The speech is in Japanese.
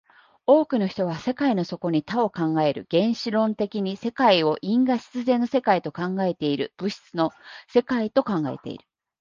多くの人は世界の底に多を考える、原子論的に世界を因果必然の世界と考えている、物質の世界と考えている。